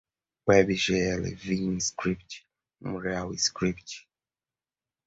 webgl, vim script, unrealscript